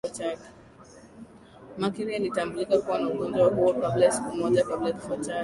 mercury alitambulika kuwa na ugonjwa huo siku moja kabla ya kifo chake